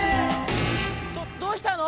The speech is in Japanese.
「どどうしたの⁉」。